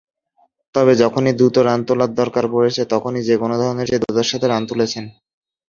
তবে, যখনই দ্রুত রান তোলার দরকার পড়েছে তখনই যে-কোন ধরনের পিচে দ্রুততার সাথে রান তুলেছেন।